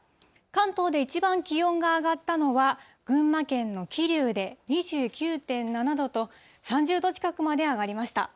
関東でいちばん気温が上がったのは、群馬県の桐生で２９．７度と、３０度近くまで上がりました。